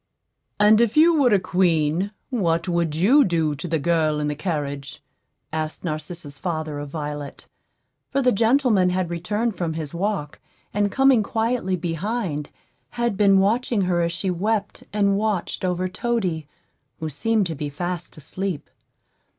"And if you were a queen, what would you do to the girl in the carriage?" asked Narcissa's father of Violet; for the gentleman had returned from his walk, and coming quietly behind, had been watching her as she wept and watched over Toady, who seemed to be fast asleep.